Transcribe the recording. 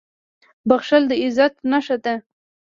• بښل د عزت نښه ده.